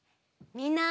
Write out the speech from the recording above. みんな。